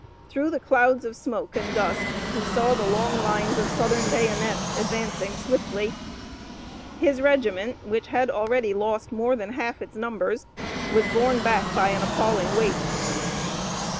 Through the clouds of smoke and dust he saw the long lines of Southern bayonets advancing swiftly. His regiment, which had already lost more than half its numbers, was borne back by an appalling weight.